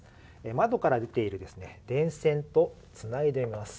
窓から出ている電線とつないでいます